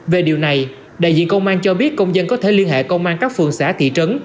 về điều này đại diện công an cho biết công dân có thể liên hệ công an các phường xã thị trấn